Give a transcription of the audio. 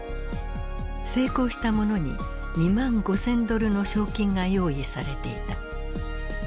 成功した者に２万５，０００ドルの賞金が用意されていた。